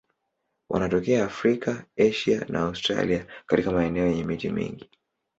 Wanatokea Afrika, Asia na Australia katika maeneo yenye miti mingi.